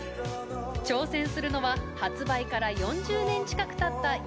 挑戦するのは発売から４０年近くたった